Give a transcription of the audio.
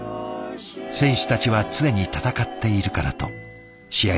選手たちは常に戦っているからと試合